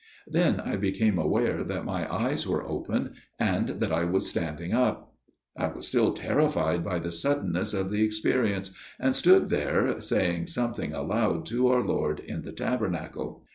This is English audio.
Then I became aware that my eyes were open, and that I was standing up. I was still terrified by the suddenness of the experience ; and stood there, saying something aloud to our Lord in the Tabernacle.